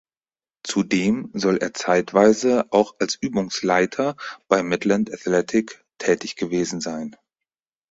Zudem soll er zeitweise auch als Übungsleiter bei "Midland Athletic" tätig gewesen sein.